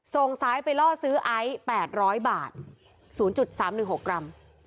ส่งสายไปล่อซื้อไอซ์แปดร้อยบาทศูนย์จุดสามหนึ่งหกกรัม